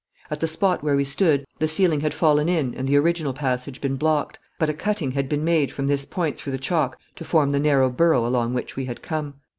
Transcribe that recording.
At the spot where we stood the ceiling had fallen in and the original passage been blocked, but a cutting had been made from this point through the chalk to form the narrow burrow along which we had come.